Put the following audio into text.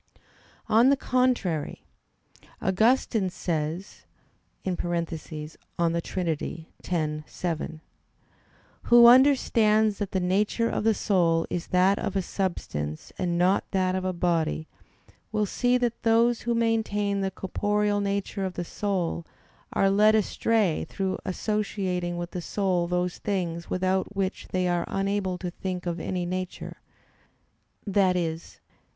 On the contrary, Augustine says (De Trin. x, 7): "Who understands that the nature of the soul is that of a substance and not that of a body, will see that those who maintain the corporeal nature of the soul, are led astray through associating with the soul those things without which they are unable to think of any nature i.e.